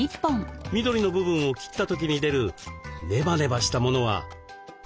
緑の部分を切った時に出るネバネバしたものは「フルクタン」という成分。